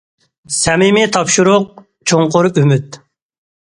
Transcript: سەمىمىي تاپشۇرۇق، چوڭقۇر ئۈمىد.